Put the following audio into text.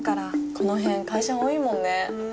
このへん会社多いもんね。